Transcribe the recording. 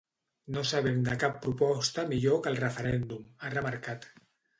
No sabem de cap proposta millor que el referèndum, ha remarcat.